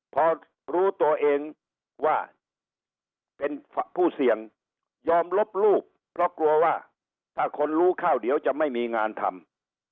พอรู้ตัวเองว่าเป็นผู้เสี่ยงยอมลบรูปเพราะกลัวว่าถ้าคนรู้ข้าวเดี๋ยวจะไม่มีงานทำ